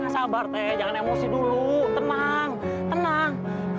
sabar teh jangan emosi dulu tenang tenang